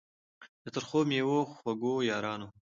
د ترخو میو خوږو یارانو